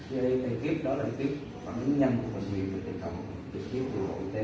cái kíp đó là kíp phản ứng nhân của quản lý về tình trạng trực tiếp của bộ y tế